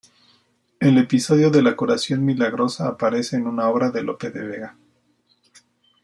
El episodio de la curación milagrosa aparece en una obra de Lope de Vega.